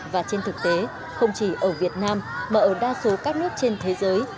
và trên thực tế không chỉ ở việt nam mà ở đa số các nước trên thế giới